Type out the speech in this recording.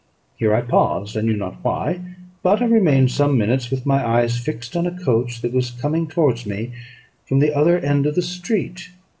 Here I paused, I knew not why; but I remained some minutes with my eyes fixed on a coach that was coming towards me from the other end of the street.